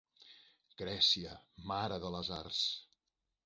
Grècia, mare de les arts.